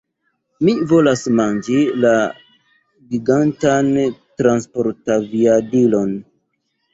Mi volas manĝi la gigantan transportaviadilon!